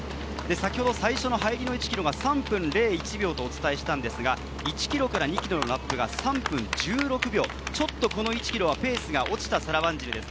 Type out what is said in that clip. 先ほど最初の入りの１ｋｍが３分０１秒とお伝えしたんですが、１ｋｍから２ｋｍのラップが３分１６秒、ちょっとこの１ｋｍはペースが落ちているサラ・ワンジルです。